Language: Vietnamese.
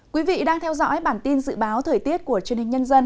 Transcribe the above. quý vị đang theo dõi bản tin dự báo thời tiết của truyền hình nhân dân